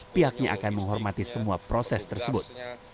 pihaknya akan menghormati semua proses tersebut